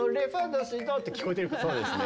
そうですね。